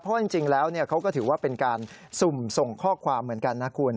เพราะจริงแล้วเขาก็ถือว่าเป็นการสุ่มส่งข้อความเหมือนกันนะคุณ